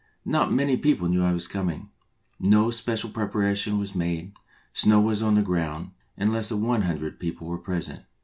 Not many people knew I was coming. No special preparation was made ; snow was on the ground, and less than one hundred people were present.